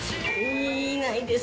いないです。